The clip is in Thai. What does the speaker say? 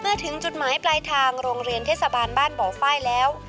ถึงจุดหมายปลายทางโรงเรียนเทศบาลบ้านบ่อไฟแล้ว